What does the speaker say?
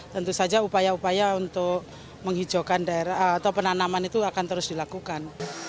tentu saja upaya upaya untuk menghijaukan daerah atau penanaman itu akan terus dilakukan